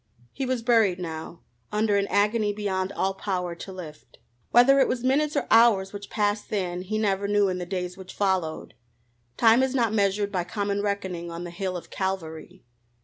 He was buried now under an agony beyond all power to lift. Whether it was minutes or hours which passed then, he never knew in the days which followed. Time is not measured by common reckoning on the hill of Calvary.